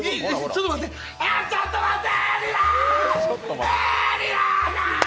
ちょっと待って。